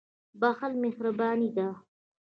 • بښل مهرباني ده.